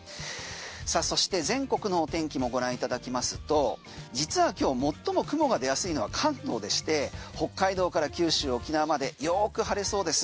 さあそして全国の天気もご覧いただきますと実は今日最も雲が出やすいのは関東でして北海道から九州、沖縄までよく晴れそうです。